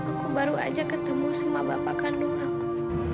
aku baru aja ketemu sama bapak kandung aku